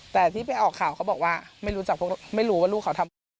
แต่ที่ไปออกข่าวเขาบอกว่าไม่รู้ว่าลูกเขาทำ